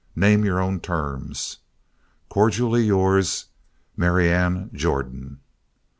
Name your own terms. "'Cordially yours, "'Marianne Jordan.'